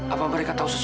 apa mereka tahu sesuatu